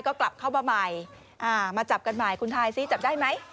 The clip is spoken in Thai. ก็กลับเข้ามาใหม่มาจับกันใหม่คุณทายซิจับได้ไหม